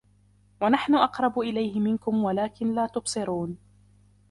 وَنَحْنُ أَقْرَبُ إِلَيْهِ مِنكُمْ وَلَكِن لّا تُبْصِرُونَ